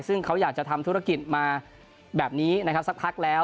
ซึ่งเขาอยากจะทำธุรกิจมาแบบนี้นะครับสักพักแล้ว